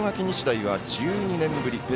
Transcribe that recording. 日大は１２年ぶり